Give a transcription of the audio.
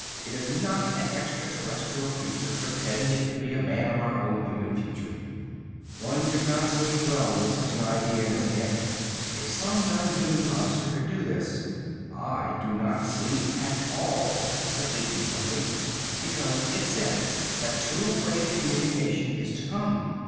It is not an extra terrestrial creature pretending to be a man of our own human future. One could not sleep well with such an idea in his head. If some non human monster could do this " "I do not sleep at all," said Lecky simply. "Because it says that two way communication is to come.